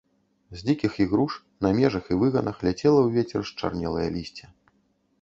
З дзікіх ігруш на межах і выганах ляцела ў вецер счарнелае лісце.